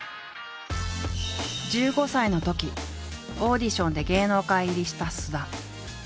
１５歳のときオーディションで芸能界入りした菅田。